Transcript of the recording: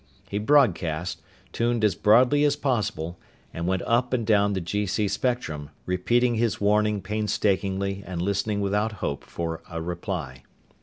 He broadcast, tuned as broadly as possible, and went up and down the GC spectrum, repeating his warning painstakingly and listening without hope for a reply.